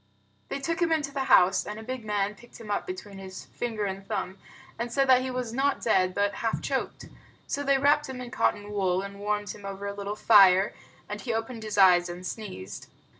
They took him into the house, and a big man picked him up between his finger and thumb and said he was not dead but half choked. So they wrapped him in cotton wool, and warmed him over a little fire, and he opened his eyes and sneezed.